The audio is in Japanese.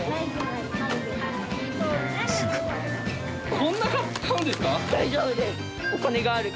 こんな買うんですか？